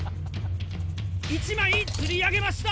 １枚釣り上げました！